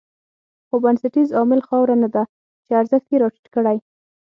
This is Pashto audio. خو بنسټیز عامل خاوره نه ده چې ارزښت یې راټيټ کړی.